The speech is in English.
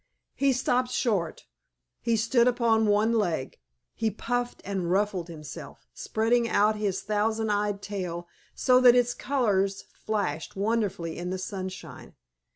He stopped short. He stood upon one leg. He puffed and ruffled himself, spreading out his thousand eyed tail so that its colors flashed wonderfully in the sunshine.